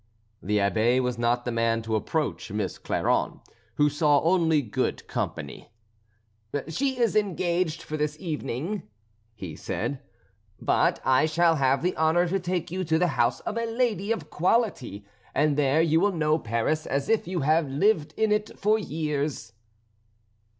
The Abbé was not the man to approach Miss Clairon, who saw only good company. "She is engaged for this evening," he said, "but I shall have the honour to take you to the house of a lady of quality, and there you will know Paris as if you had lived in it for years."